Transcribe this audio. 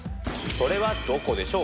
それはどこでしょう。